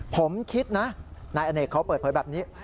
ผมคิดนะนายอเนกเขาเปิดเผยแบบนี้